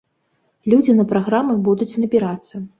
Людзі на праграмы будуць набірацца.